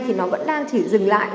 thì nó vẫn đang chỉ dừng lại